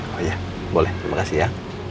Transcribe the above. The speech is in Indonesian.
oh iya boleh terima kasih ya